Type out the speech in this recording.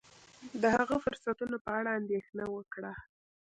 د هغه فرصتونو په اړه اندېښنه وکړه.